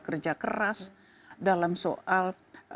kerja keras dalam soal